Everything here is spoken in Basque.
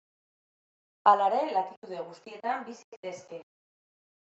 Hala ere latitude guztietan bizi zitezkeen.